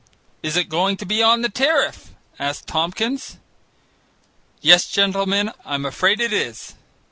"Is it going to be on the tariff?" asked Tompkins. "Yes, gentlemen, I'm afraid it is.